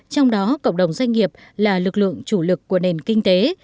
trong đó cộng đồng doanh nghiệp là lực lượng chủ lực của nền kinh tế